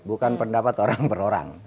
bukan pendapat orang per orang